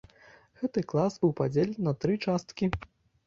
Гэты клас быў падзелены на тры часткі.